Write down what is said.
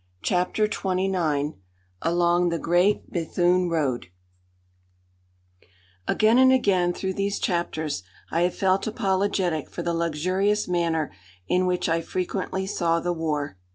CHAPTER XXIX ALONG THE GREAT BETHUNE ROAD Again and again through these chapters I have felt apologetic for the luxurious manner in which I frequently saw the war.